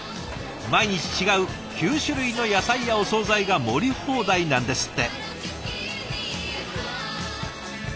毎日違う９種類の野菜やお総菜が盛り放題なんですって。